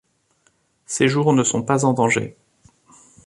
Ses jours ne sont pas en danger.